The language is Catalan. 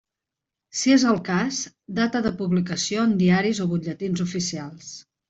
Si és el cas, data de publicació en diaris o butlletins oficials.